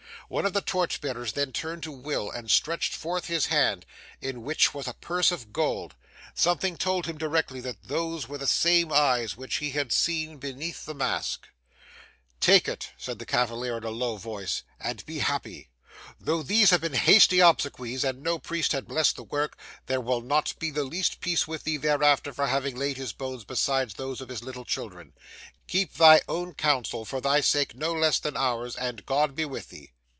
One of the torch bearers then turned to Will, and stretched forth his hand, in which was a purse of gold. Something told him directly that those were the same eyes which he had seen beneath the mask. [Picture: Will Marks arrives at the Church] 'Take it,' said the cavalier in a low voice, 'and be happy. Though these have been hasty obsequies, and no priest has blessed the work, there will not be the less peace with thee thereafter, for having laid his bones beside those of his little children. Keep thy own counsel, for thy sake no less than ours, and God be with thee!